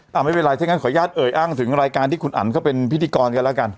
เท่านั้นขออนุญาตเอ่ยอ้างถึงรายการที่คุณอันเป็นพิธีกรกันแล้วกัน